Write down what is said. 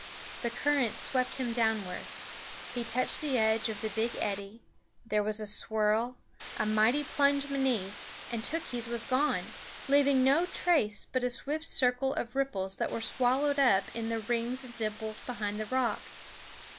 The current swept him downward; he touched the edge of the big eddy; there was a swirl, a mighty plunge beneath, and Tookhees was gone, leaving no trace but a swift circle of ripples that were swallowed up in the rings and dimples behind the rock.